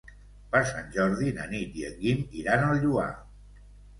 Per Sant Jordi na Nit i en Guim iran al Lloar.